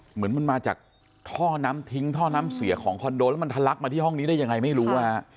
เหมือนมันมาจากท่อน้ำทิ้งท่อน้ำเสียของคอนโดแล้วมันทะลักมาที่ห้องนี้ได้ยังไงไม่รู้